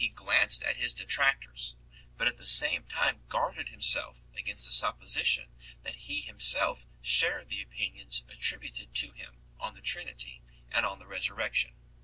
glanced at his detractors, but at the same time guarded himself against the supposition that he himself shared the opinions attributed to him on the Trinity and on the Resurrection.